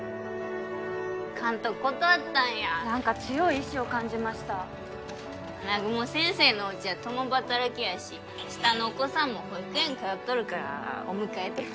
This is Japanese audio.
監督断ったんや何か強い意志を感じました南雲先生のおうちは共働きやし下のお子さんも保育園通っとるからお迎えとか